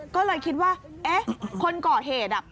ก็เลยคิดว่าเอ๊ะคนเกาะเหตุอ่ะ